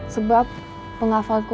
sebab penghafal al quran